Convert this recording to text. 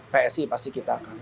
psi pasti kita akan